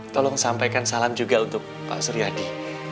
tolong sampaikan salam juga untuk pak suryadi